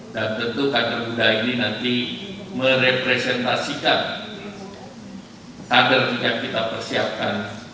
dan tentu kader muda ini nanti merepresentasikan kader yang kita persiapkan